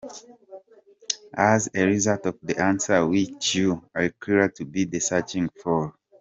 as a result of the answer which you occur to be searching for.